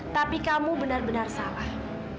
tapi kamu benar benar salah